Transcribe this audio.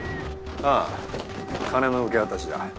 ああ金の受け渡しだ。